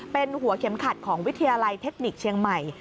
เป็นหัวเข็มขัดของวิทยาลัยเทคนิคเชียงใหม่